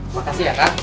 makasih ya kak